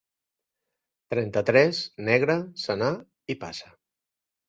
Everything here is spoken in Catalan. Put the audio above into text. Trenta-tres, negre, senar i passa.